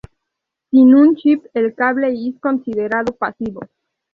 Sin un chip, el cable is considerado 'pasivo'.